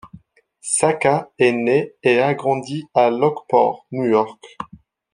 Sacca est né et a grandi à Lockport, New York.